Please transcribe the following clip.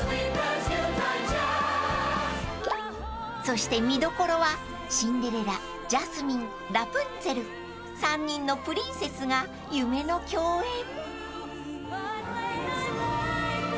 ［そして見どころはシンデレラジャスミンラプンツェル３人のプリンセスが夢の共演］